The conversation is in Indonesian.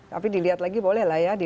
tapi dilihat lagi boleh lah ya